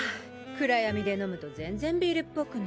暗闇で飲むと全然ビールっぽくない。